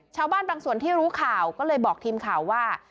ชาวบ้านบางส่วนที่รู้ข่าวก็เลยบอกทีมข่าวว่า